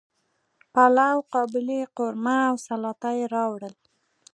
پلاو، قابلی، قورمه او سلاطه یی راوړل